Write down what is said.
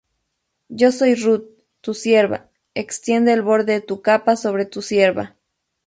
Yo soy Ruth tu sierva: extiende el borde de tu capa sobre tu sierva.